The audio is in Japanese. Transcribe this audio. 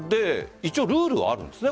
一応ルールはあるんですね。